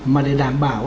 mà để đảm bảo